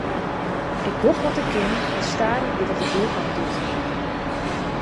Ik doch wat ik kin en stadich giet it de goede kant út.